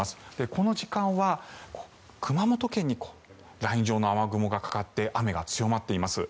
この時間は熊本県にライン状の雨雲がかかって雨が強まっています。